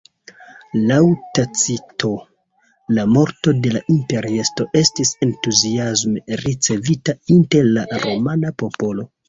Laŭ Tacito la morto de la imperiestro estis entuziasme ricevita inter la romana popolo.